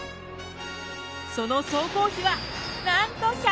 その総工費はなんと１００億円！